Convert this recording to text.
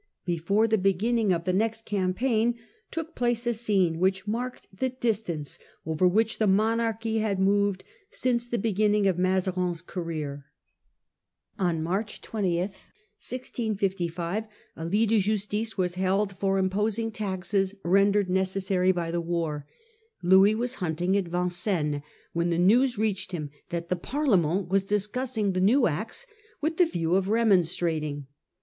Before the beginning of the next campaign took place a scene which marked the distance over which the monarchy had moved since the beginning of Mazarin's career. On March 20, 1655, a lit de justice was held for imposing taxes, rendered necessary by the war. Louis 1654 Assertion of Royal Authority. 7 3 was hunting at Vincennes when the news reached him that the Parlement was discussing the new acts with the view of remonstrating.